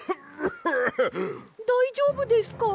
だいじょうぶですか？